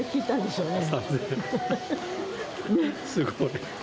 すごい。